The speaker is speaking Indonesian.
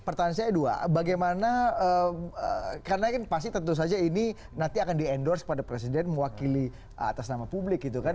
pertanyaannya dua karena ini tentu saja nanti akan di endorse kepada presiden mewakili atas nama publik gitu kan